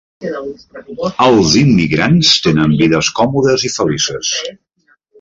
Els immigrants tenen vides còmodes i felices.